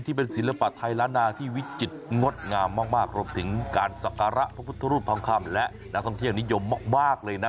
ที่เป็นศิลปะไทยละนาที่วิจิติงดงามมากรวมถึงการศักระพระพุทธฤทธิ์พร้อมข้ามและนักท่องเที่ยวนิยมมากเลยนะ